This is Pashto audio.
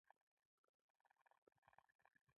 د غرونو منځ کې ځینې نباتات یوازې هلته وده کوي.